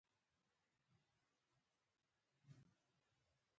سوالګر د امت رحم ازمويي